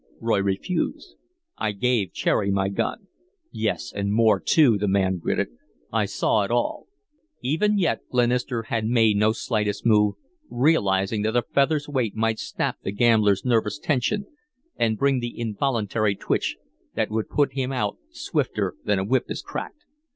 Roy refused. "I gave Cherry my gun." "Yes, and more too," the man gritted. "I saw it all." Even yet Glenister had made no slightest move, realizing that a feather's weight might snap the gambler's nervous tension and bring the involuntary twitch that would put him out swifter than a whip is cracked.